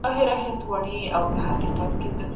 کتابتون څېړنه او میز څېړنه یو بل ته ورته دي.